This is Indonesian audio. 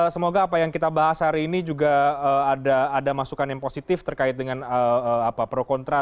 semoga apa yang kita bahas hari ini juga ada masukan yang positif terkait dengan pro kontra